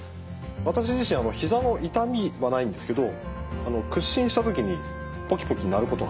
私自身ひざの痛みはないんですけど屈伸した時にポキポキ鳴ることがあります。